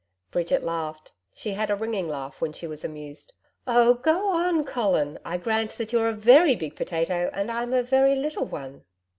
Bridget laughed. She had a ringing laugh when she was amused. 'Oh! go on, Colin. I grant that you're a very big potato and I'm a very little one.'